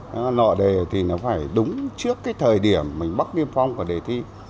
vấn đề thì nó phải đúng trước cái thời điểm mình bắt niềm phong của đề thi